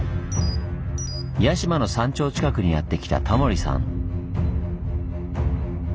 屋島の山頂近くにやって来たタモリさん。